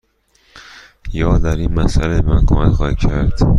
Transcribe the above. یا در این مسأله به من کمک خواهید کرد؟